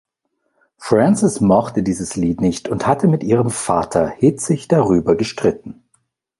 Francis mochte dieses Lied nicht und hatte mit ihrem Vater hitzig darüber gestritten.